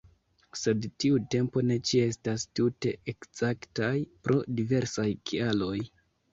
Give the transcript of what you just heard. Sed tiu tempo ne ĉie estas tute ekzaktaj pro diversaj kialoj.